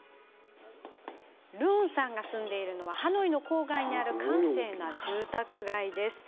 ルオンさんが住んでいるのはハノイ郊外にある閑静な住宅街。